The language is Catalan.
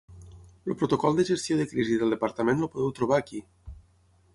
El protocol de gestió de crisi del Departament el podeu trobar aquí.